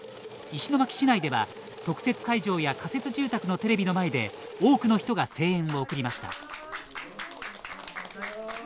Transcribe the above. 石巻市内では特設会場や仮設住宅のテレビの前で多くの人が声援を送りました。